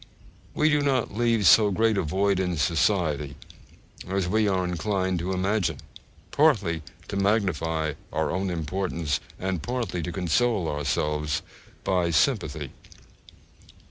We do not leave so great a void in society as we are inclined to imagine, partly to magnify our own importance, and partly to console ourselves by sympathy.